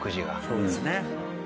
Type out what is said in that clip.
そうですね。